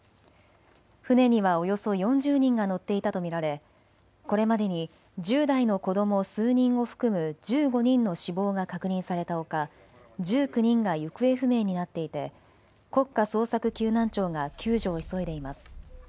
船にはおよそ４０人が乗っていたと見られ、これまでに１０代の子ども数人を含む１５人の死亡が確認されたほか、１９人が行方不明になっていて国家捜索救難庁が救助を急いでいます。